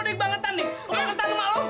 pak gak ada mak